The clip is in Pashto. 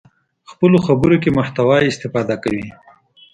خپلو خبرو کې محتوا استفاده کوي.